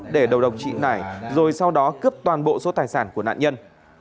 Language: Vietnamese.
để đầu độc chị nải rồi sau đó cướp toàn bộ số tài sản của nạn nhân